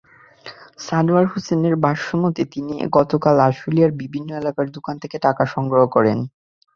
সানোয়ার হোসেনের ভাষ্যমতে, তিনি গতকাল আশুলিয়ার বিভিন্ন এলাকার দোকান থেকে টাকা সংগ্রহ করেন।